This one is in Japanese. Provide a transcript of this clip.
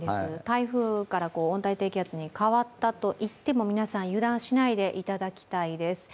台風から温帯低気圧に変わったといっても皆さん、油断しないでいただきたいです。